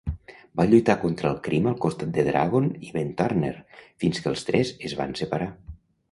Va lluitar contra el crim al costat de Dragon i Ben Turner fins que els tres es van separar.